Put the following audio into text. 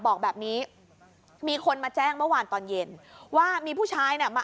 บอกแบบนี้มีคนมาแจ้งเมื่อวานตอนเย็นว่ามีผู้ชายเนี่ยมา